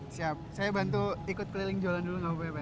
siap saya bantu ikut keliling jualan dulu gak apa apa